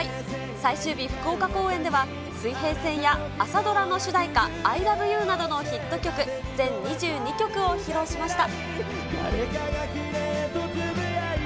最終日、福岡公演では、水平線や朝ドラの主題歌、アイラブユーなどのヒット曲、全２２曲を披露しました。